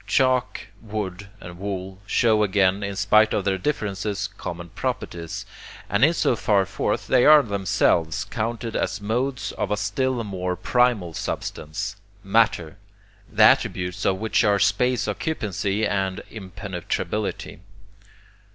Chalk, wood and wool, show again, in spite of their differences, common properties, and in so far forth they are themselves counted as modes of a still more primal substance, matter, the attributes of which are space occupancy and impenetrability.